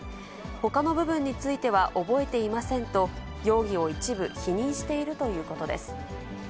ほかの部分については覚えていませんと、容疑を一部、否認しているということです。